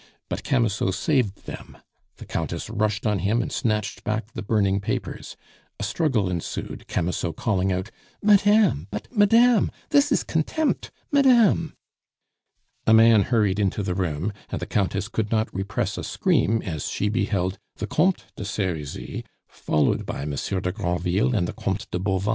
But Camusot saved them; the Countess rushed on him and snatched back the burning papers. A struggle ensued, Camusot calling out: "Madame, but madame! This is contempt madame!" A man hurried into the room, and the Countess could not repress a scream as she beheld the Comte de Serizy, followed by Monsieur de Granville and the Comte de Bauvan.